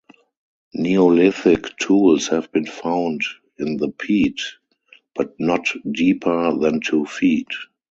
Neolithic tools have been found in the peat, but not deeper than two feet.